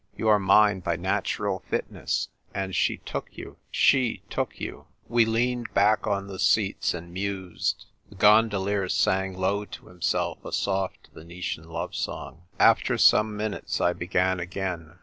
You are mine by natural fitness ; and she took you, she took you !" We leaned back on the seats and mused. The gondolier sang low to himself a soft Venetian love song. After some minutes I began again.